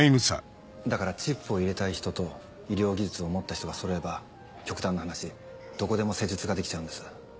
だからチップを入れたい人と医療技術を持った人がそろえば極端な話どこでも施術ができちゃうんです。